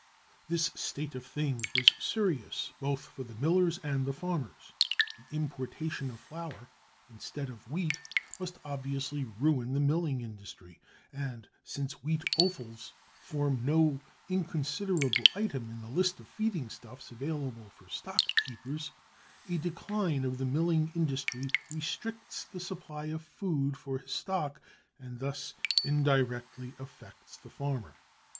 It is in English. This state of things was serious both for the millers and the farmers. The importation of flour instead of wheat must obviously ruin the milling industry, and since wheat offals form no inconsiderable item in the list of feeding stuffs available for stock keepers, a decline of the milling industry restricts the supply of food for his stock, and thus indirectly affects the farmer.